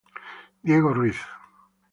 Diego Ruiz